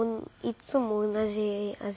いっつも同じ味。